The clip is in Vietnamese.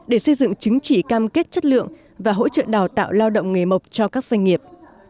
để xây dựng chứng chỉ cam kết chất lượng và hỗ trợ đào tạo lao động nghề mộc cho các doanh nghiệp